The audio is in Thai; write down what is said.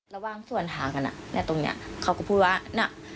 ระหว่างส่วนทางกันตรงนี้เขาก็พูดว่าน่ะ